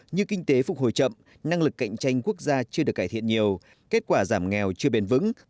như kinh tế phục hồi chậm năng lực cạnh tranh quốc gia chưa được cải thiện nhiều kết quả giảm nghèo chưa bền vững